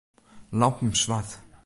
Lampen swart.